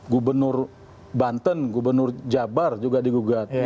gubernur banten gubernur jabar juga digugat